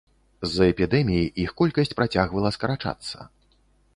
З-за эпідэмій іх колькасць працягвала скарачацца.